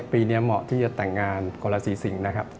ปีนี้เหมาะที่จะแต่งงานกับร้านสีสิงฯนะครับ